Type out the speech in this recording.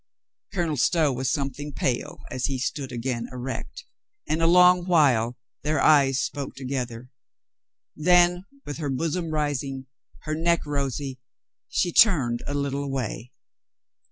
Colonel Stow was something pale as he stood again erect, and a long while their eyes spoke together. Then, with her bosom rising, her neck rosy, she turned a little away.